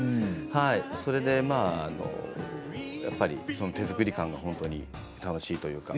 それで、やっぱり手作り感が本当に楽しいというか。